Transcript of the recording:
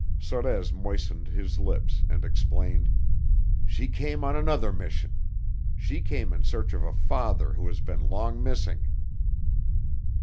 Sorez moistened his lips and explained: "She came on another mission. She came in search of a father who has been long missing."